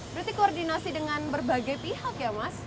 berarti koordinasi dengan berbagai pihak ya mas